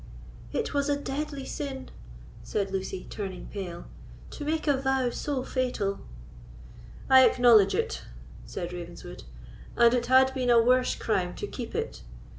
"It was a deadly sin," said Lucy, turning pale, "to make a vow so fatal." "I acknowledge it," said Ravenswood, "and it had been a worse crime to keep it.